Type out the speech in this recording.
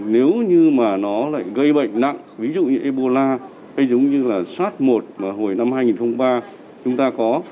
nếu như mà nó lại gây bệnh nặng ví dụ như ebola hay giống như là sars một mà hồi năm hai nghìn ba chúng ta có